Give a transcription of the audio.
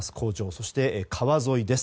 そして、川沿いです。